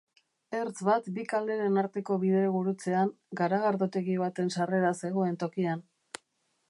Ertz bat bi kaleren arteko bidegurutzean, garagardotegi baten sarrera zegoen tokian.